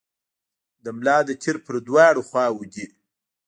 د ملا د تیر په دواړو خواوو دي.